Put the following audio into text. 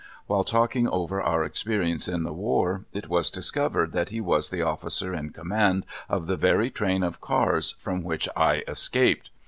While talking over our experiences in the war, it was discovered that he was the officer in command of the very train of cars from which I escaped.